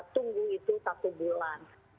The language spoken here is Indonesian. tunggu itu satu bulan